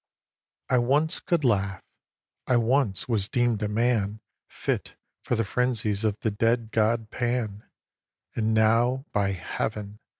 xviii. I once could laugh, I once was deem'd a man Fit for the frenzies of the dead god Pan, And now, by Heaven!